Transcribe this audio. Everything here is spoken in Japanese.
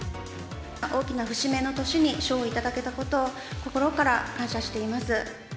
大きな節目の年に賞を頂けたことを、心から感謝しています。